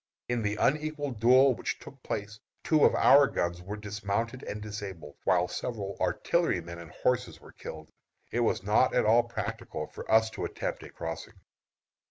In the unequal duel which took place, two of our guns were dismounted and disabled, while several artillerymen and horses were killed. It was not at all pacticable for us to attempt a crossing.